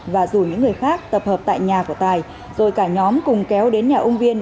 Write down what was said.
và rủ những người khác tập hợp tại nhà của tài rồi cả nhóm cùng kéo đến nhà ông viên